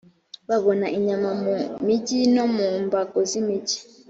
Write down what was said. babona inyama mu mijyi no mu mbago z imijyi